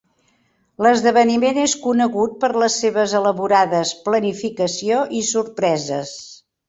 L'esdeveniment és conegut per les seves elaborades planificació i sorpreses.